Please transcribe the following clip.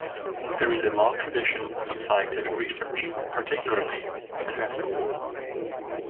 There is a long tradition of scientific research, particularly botanical.